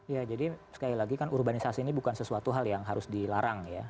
ya jadi sekali lagi kan urbanisasi ini bukan sesuatu hal yang harus dilarang ya